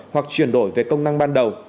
hoặc chuyển đổi về công năng ban đầu